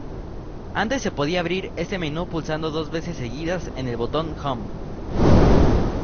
Antes se podía abrir este menú pulsando dos veces seguidas en el botón Home.